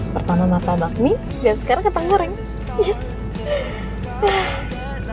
pertama masak bakmi dan sekarang kentang goreng yes